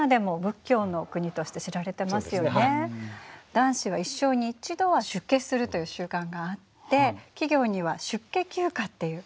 男子は一生に一度は出家するという習慣があって企業には出家休暇っていう制度まであるんですよ。